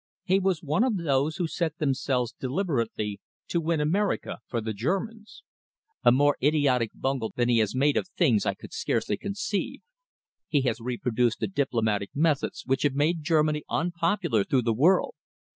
He was one of those who set themselves deliberately to win America for the Germans. A more idiotic bungle than he has made of things I could scarcely conceive. He has reproduced the diplomatic methods which have made Germany unpopular throughout the world.